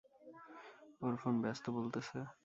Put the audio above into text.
ওর phone ব্যস্ত বলতেছে।